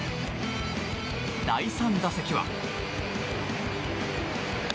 第３打席は。